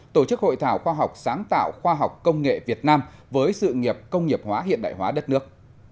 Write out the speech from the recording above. tổ chức hội thảo khoa học sáng tạo khoa học công nghệ việt nam với sự nghiệp công nghiệp hóa hiện đại hóa đất nước